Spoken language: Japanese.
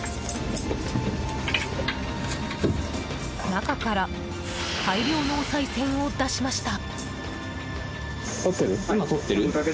中から大量のおさい銭を出しました。